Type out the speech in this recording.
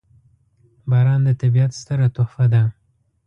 • باران د طبیعت ستره تحفه ده.